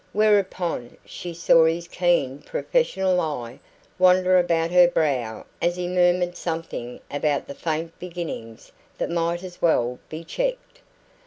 Whereupon she saw his keen professional eye wander about her brow as he murmured something about the faint beginnings that might as well be checked.